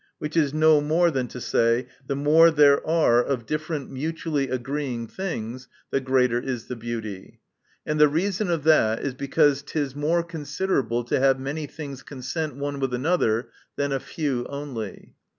Which is no more than to say, the more there are of different mutually agreeing things, the greater is the beauty. And the reason of that is, because it is more considerable to have many things con sent one with another, than a few only.